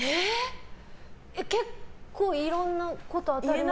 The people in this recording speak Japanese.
結構いろんなこと当たりますよ。